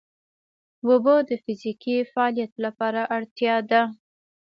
اوبه د فزیکي فعالیت لپاره اړتیا ده